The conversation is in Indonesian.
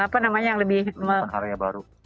perhitungan area baru